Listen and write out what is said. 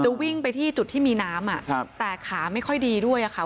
วิ่งไปที่จุดที่มีน้ำอ่ะครับแต่ขาไม่ค่อยดีด้วยอะค่ะ